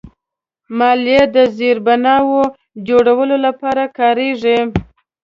مالیه د زیربناوو جوړولو لپاره کارېږي.